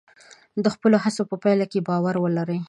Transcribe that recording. د خپلو هڅو په پایله باور ولرئ.